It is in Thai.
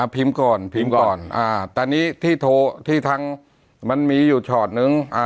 พิมพ์ก่อนพิมพ์ก่อนตอนนี้ที่โทรที่ทางมันมีอยู่ชอตนึง